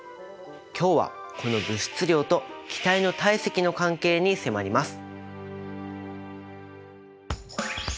今日はこの物質量と気体の体積の関係に迫ります！